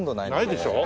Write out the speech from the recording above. ないでしょ？